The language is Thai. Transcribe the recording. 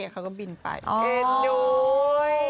เขาก็บินไป